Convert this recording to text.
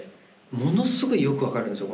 ものすごいよく分かるんですよ